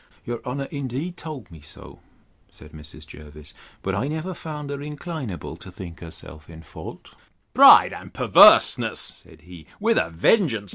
Your honour indeed told me so, said Mrs. Jervis: but I never found her inclinable to think herself in a fault. Pride and perverseness, said he, with a vengeance!